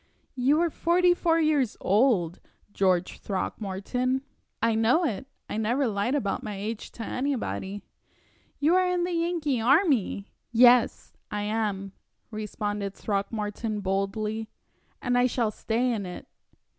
"You are forty four years old, George Throckmorton." "I know it. I never lied about my age to anybody." "You are in the Yankee army!" "Yes, I am," responded Throckmorton, boldly, "and I shall stay in it."